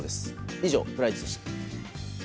以上、プライチでした。